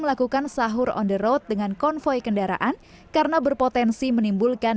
melakukan sahur on the road dengan konvoy kendaraan karena berpotensi menimbulkan